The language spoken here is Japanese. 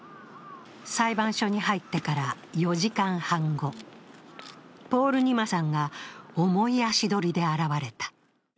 裁判所に入ってから４時間半後、ポールニマさんが重い足取りで現れた。